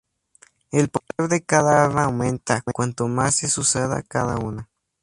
El poder de cada arma aumenta cuanto más es usada cada una.